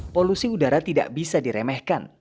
polusi udara tidak bisa diremehkan